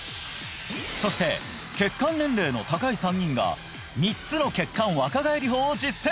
そして血管年齢の高い３人が磽つの血管若返り法を実践！